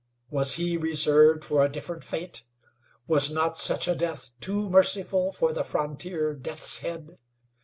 Was he reserved for a different fate? Was not such a death too merciful for the frontier Deathshead?